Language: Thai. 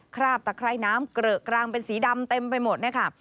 ราบตะไคร้น้ำเกลอะกรางเป็นสีดำเต็มไปหมดนะคะ